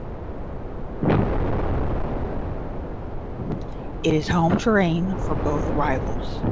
It is home terrain for both rivals.